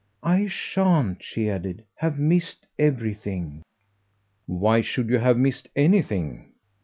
"I shan't," she added, "have missed everything." "Why should you have missed ANYTHING?"